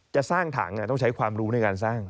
จะสร้างถังต้องใช้ความรู้ในการสร้าง